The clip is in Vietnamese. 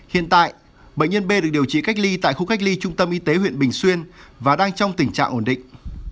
hiện tại bệnh nhân b được điều trị cách ly tại khu cách ly trung tâm y tế huyện bình xuyên và đang trong tình trạng ổn định